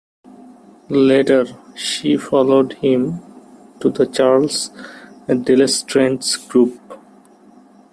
Later, she followed him to the Charles Delestraint's group.